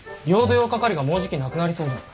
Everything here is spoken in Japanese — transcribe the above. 沃化カリがもうじきなくなりそうで。